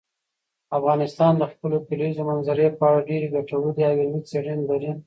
افغانستان د خپلو کلیزو منظره په اړه ډېرې ګټورې او علمي څېړنې لري.